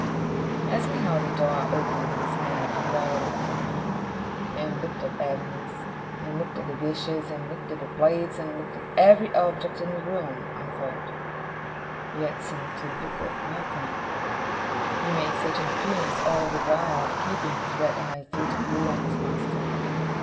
As he held the door open with his hand, Uriah looked at me, and looked at Agnes, and looked at the dishes, and looked at the plates, and looked at every object in the room, I thought, yet seemed to look at nothing; he made such an appearance all the while of keeping his red eyes dutifully on his master.